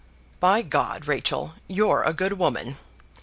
"By G d, Rachel, you're a good woman!"